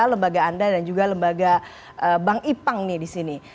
lembaga anda dan juga lembaga bang ipang nih di sini